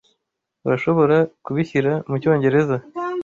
Urashobora kubishyira mucyongereza?